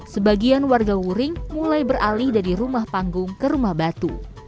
sebagian warga wuring mulai beralih dari rumah panggung ke rumah batu